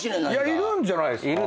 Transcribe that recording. いるんじゃないっすか。